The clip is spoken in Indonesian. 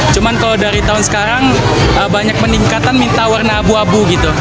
cuma kalau dari tahun sekarang banyak peningkatan minta warna abu abu gitu